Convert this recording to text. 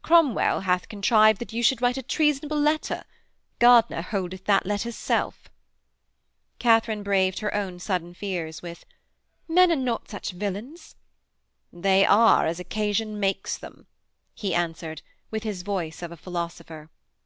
Cromwell hath contrived that you should write a treasonable letter; Gardiner holdeth that letter's self.' Katharine braved her own sudden fears with: 'Men are not such villains.' 'They are as occasion makes them,' he answered, with his voice of a philosopher.